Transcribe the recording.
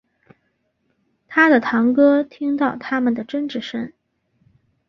他的堂哥听到他们的争执声